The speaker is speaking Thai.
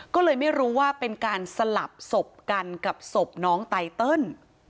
ก็เลยไม่รู้ว่าเป็นการสลับศพกันกับศพน้องไตเติล